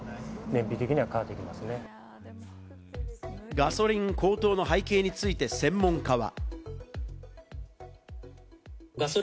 ガソリン高騰の背景について専門家は。